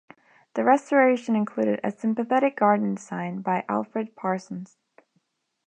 The restoration included a sympathetic garden design by Alfred Parsons.